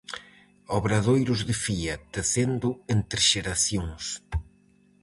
Obradoiros de fía, tecendo entre xeracións.